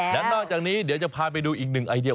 แล้วนอกจากนี้เดี๋ยวจะพาไปดูอีกหนึ่งไอเดีย